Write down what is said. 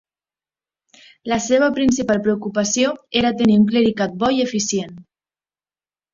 La seva principal preocupació era tenir un clericat bo i eficient.